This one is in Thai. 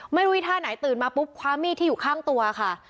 ไม่รู้อีกท่าไหนตื่นมาปุ๊บคว้ามีดที่อยู่ข้างตัวค่ะ